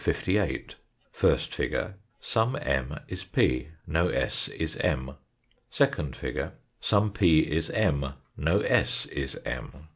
58 : First figure : some M is p ; no S is M. Second figure : some P is M ; no S is M.